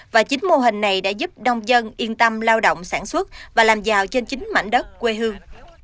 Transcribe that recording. và chính mô hình này đã giúp đông dân yên tâm lao động sản xuất và làm giàu trên chính mảnh đất quê hương